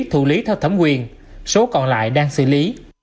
thủ lý theo thẩm quyền số còn lại đang xử lý